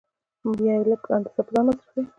یا یې لږ اندازه په ځان مصرفوي